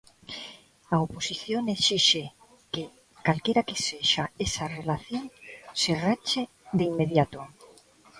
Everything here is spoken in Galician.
A oposición exixe que, calquera que sexa esa relación, se rache de inmediato.